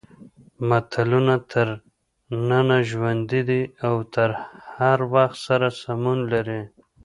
متلونه تر ننه ژوندي دي او د هر وخت سره سمون لري